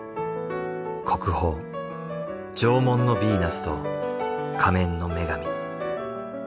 国宝『縄文のビーナス』と『仮面の女神』。